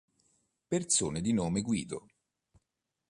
Persone di nome Guido